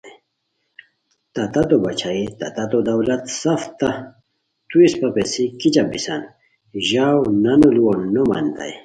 تہ تتو باچھائی تہ تتو دولت سف تہ، تو اسپہ پیڅھی کیچہ بیسان! ژاؤ نانو لوؤ نو مانیتائے